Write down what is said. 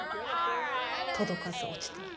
届かず落ちていく。